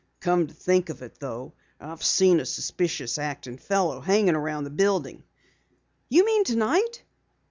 "Come to think of it though, I've seen a suspicious acting fellow hanging around the building." "You mean tonight?"